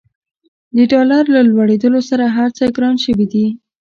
د ډالر له لوړېدولو سره هرڅه ګران شوي دي.